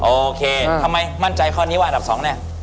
โอเคทำไมมั่นใจข้อนี้ว่าอันดับ๒แน่